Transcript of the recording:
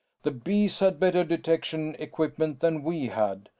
"The Bees had better detection equipment than we had.